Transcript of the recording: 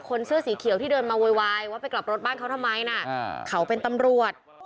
เสื้อสีเขียวที่เดินมาโวยวายว่าไปกลับรถบ้านเขาทำไมนะเขาเป็นตำรวจ